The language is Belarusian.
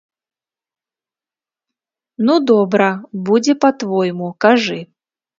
Ну, добра, будзе па-твойму, кажы.